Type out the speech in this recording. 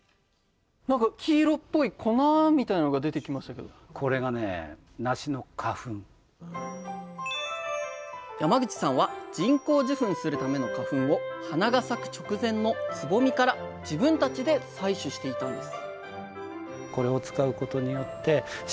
４月この時山口さんは人工授粉するための花粉を花が咲く直前のつぼみから自分たちで採取していたんです